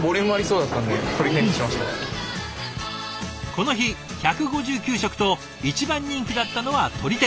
この日１５９食と一番人気だったのは鶏天。